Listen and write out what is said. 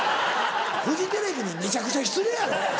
フジテレビにめちゃくちゃ失礼やろ。